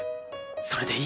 それでいい！